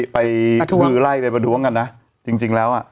ไปคือไล่ไปประท้วงกันนะ